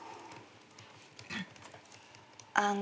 あの。